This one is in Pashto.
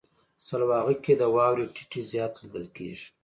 سلواغه کې د واورې ټيټی زیات لیدل کیږي.